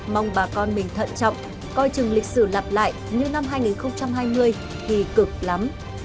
mong bà con mình thận trọng coi chừng lịch sử lặp lại như năm hai nghìn hai mươi thì cực lắm